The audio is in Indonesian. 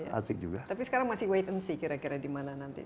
asik juga tapi sekarang masih wait and see kira kira di mana nanti